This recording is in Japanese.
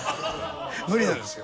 無理なんですよ。